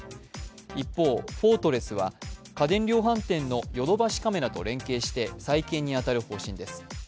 一方、フォートレスは家電量販店のヨドバシカメラと連携して再建に当たる方針です。